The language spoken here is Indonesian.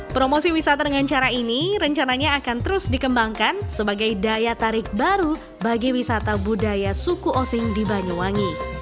promosi wisata dengan cara ini rencananya akan terus dikembangkan sebagai daya tarik baru bagi wisata budaya suku osing di banyuwangi